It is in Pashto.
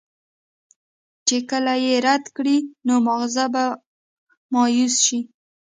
چې کله ئې رد کړي نو مازغۀ به مايوسه شي